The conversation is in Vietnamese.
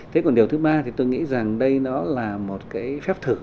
thế còn điều thứ ba thì tôi nghĩ rằng đây nó là một cái phép thử